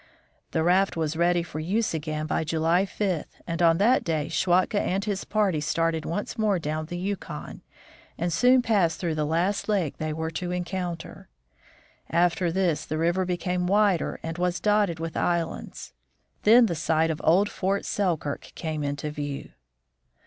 The raft was ready for use again by July 5, .and on that day Schwatka and his party started once more down the Yukon, and soon passed through the last lake they were to encounter. After this the river became wider and was dotted with islands ; then the site of old Fort Selkirk came into view.